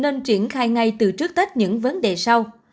nên triển khai ngay từ trước tết những vấn đề sau